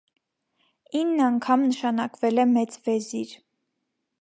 Ինն անգամ նշանակվել է մեծ վեզիր։